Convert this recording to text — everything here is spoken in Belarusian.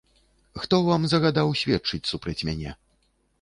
Хто вам загадаў сведчыць супраць мяне?